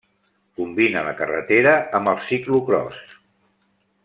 Combina la carretera amb el ciclocròs.